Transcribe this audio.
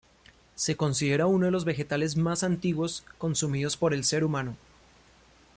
Se considera uno de los vegetales más antiguos consumidos por el ser humano.